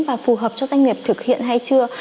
và phù hợp cho doanh nghiệp thực hiện hay chưa